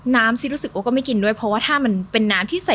ซิรู้สึกโอ๊ก็ไม่กินด้วยเพราะว่าถ้ามันเป็นน้ำที่ใส่